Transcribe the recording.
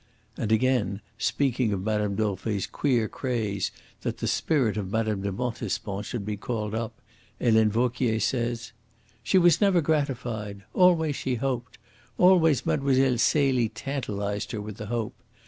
And again, speaking of Mme. Dauvray's queer craze that the spirit of Mme. de Montespan should be called up, Helene Vauquier says: 'She was never gratified. Always she hoped. Always Mlle. Celie tantalised her with the hope.